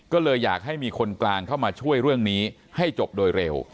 ก็เลยอยากให้มีคนกลางเข้ามาช่วยเรื่องนี้ให้จบโดยเร็ว